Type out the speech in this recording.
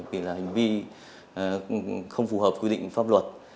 vì là hành vi không phù hợp quy định pháp luật